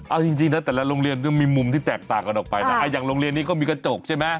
เอาจริงนะแต่ละโรงเรียนก็มีมุมที่แตกต่างกันออกไปนะอย่างโรงเรียนนี้ก็มีกระจกใช่ไหม